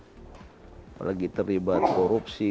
apalagi terlibat korupsi